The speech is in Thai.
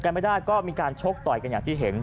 กันไม่ได้ก็มีการโช์ต่อยอย่างที่เห็น